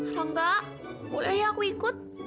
halo mbak boleh ya aku ikut